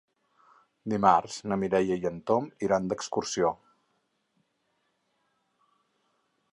Dimarts na Mireia i en Tom iran d'excursió.